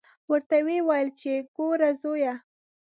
ورته ویې ویل چې ګوره زویه.